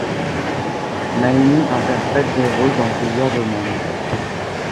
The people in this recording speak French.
Naïmi interprète des rôles dans plusieurs domaines.